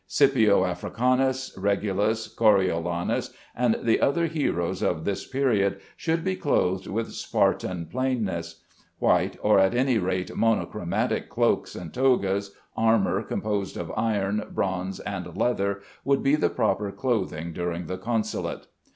Scipio Africanus, Regulus, Coriolanus, and the other heroes of this period, should be clothed with Spartan plainness. White (or at any rate monochromatic) cloaks and togas, armor composed of iron, bronze, and leather would be the proper clothing during the Consulate.